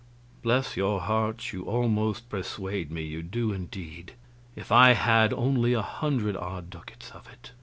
"Bless your hearts, you do almost persuade me; you do, indeed. If I had only a hundred odd ducats of it!